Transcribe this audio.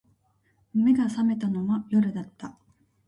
眼が覚めたのは夜だった